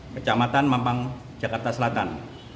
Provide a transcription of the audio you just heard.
kecamatan mampang jakarta selatan